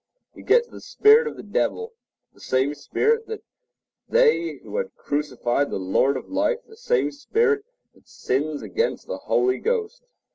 He gets the spirit of the devil—the same spirit that they had who crucified the Lord of Life—the same spirit that sins against the Holy Ghost.